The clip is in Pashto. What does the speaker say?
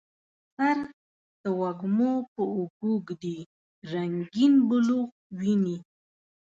سر د وږمو په اوږو ږدي رنګیین بلوغ ویني